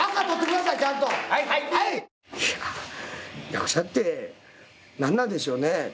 役者って何なんでしょうね。